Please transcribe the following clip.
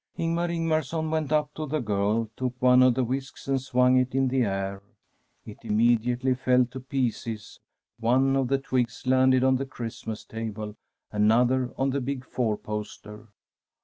Ingmar Ingmarson went up to the girl, took one of the whisks, and swung it in the air. It im mediately fell to pieces ; one of the twigs landed on the Christmas table, another on the big four poster.